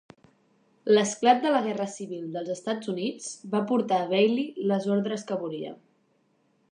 L'esclat de la Guerra Civil dels Estats Units va portar a Bailey les ordres que volia.